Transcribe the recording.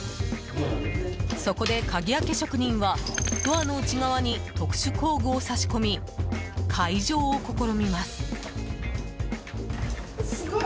そこで鍵開け職人はドアの内側に特殊工具を挿し込み解錠を試みます。